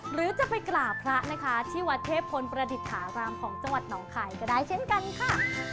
หรือจะไปกราบพระนะคะที่วัดเทพพลประดิษฐารามของจังหวัดหนองคายก็ได้เช่นกันค่ะ